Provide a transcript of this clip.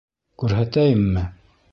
Күрһәтәйемме?